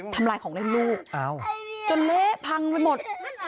ทำลายของเล่นลูกจนเละพังไปหมด